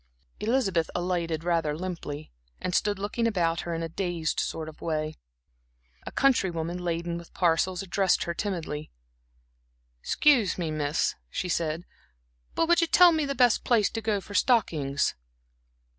Elizabeth alighted rather limply, and stood looking about her in a dazed sort of way. A country woman laden with parcels addressed her timidly. "Excuse me miss," she said, "but would you tell me the best place to go for stockings?"